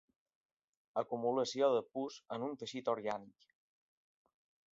Acumulació de pus en un teixit orgànic.